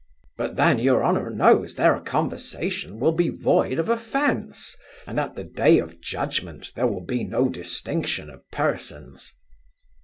'But then your honour knows, their conversation will be void of offence; and, at the day of judgment, there will be no distinction of persons.